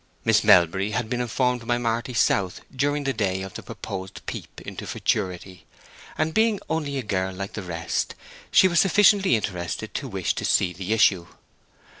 Miss Melbury had been informed by Marty South during the day of the proposed peep into futurity, and, being only a girl like the rest, she was sufficiently interested to wish to see the issue.